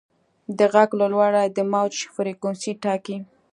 د غږ لوړوالی د موج فریکونسي ټاکي.